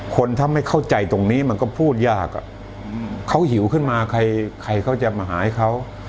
คนถ้าไม่เข้าใจตรงนี้มันก็พูดยากเขาหิวขึ้นมาใครเขาจะมาหาให้เขา